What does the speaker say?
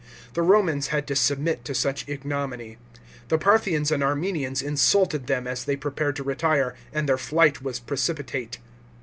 The Romans had to submit to much ignominy. The Parthians and Armenians insulted them as they prepared to retire, and their flight was precipitate.